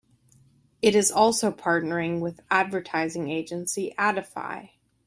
It is also partnering with advertising agency Adify.